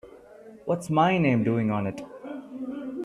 What's my name doing on it?